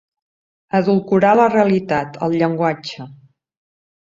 Edulcorar la realitat, el llenguatge.